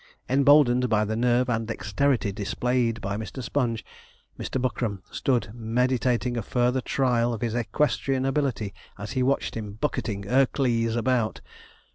Emboldened by the nerve and dexterity displayed by Mr. Sponge, Mr. Buckram stood meditating a further trial of his equestrian ability, as he watched him bucketing 'Ercles' about.